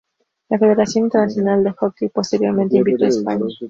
La Federación Internacional de Hockey posteriormente invitó a España.